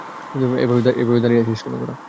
এভাবে দাঁড়িয়ে আছিস কেন তোরা?